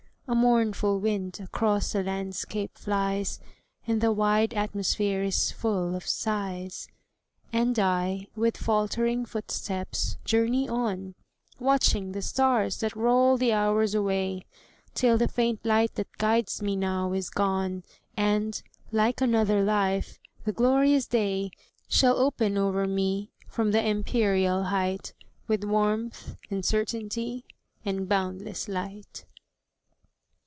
A mournful wind across the landscape flies, And the wide atmosphere is full of sighs. And I, with faltering footsteps, journey on, Watching the stars that roll the hours away, Till the faint light that guides me now is gone, And, like another life, the glorious day Shall open o'er me from the empyreal height, With warmth, and certainty, and boundless light.